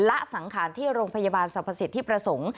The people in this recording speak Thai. ละสังขาลที่โรงพยาบาลสภาษิตที่ประสงค์